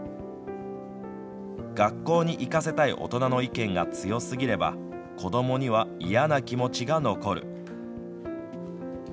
学校に行かせたい大人の意見が強すぎれば子どもには嫌な気持ちが残る。